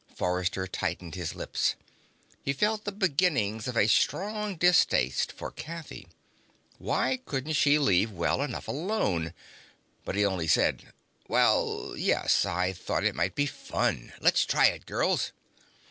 Forrester tightened his lips. He felt the beginnings of a strong distaste for Kathy. Why couldn't she leave well enough alone? But he only said: "Well, yes. I thought it might be fun. Let's try it, girls."